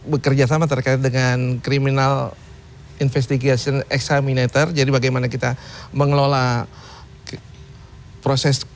bekerja sama terkait dengan criminal investigation examinator jadi bagaimana kita mengelola proses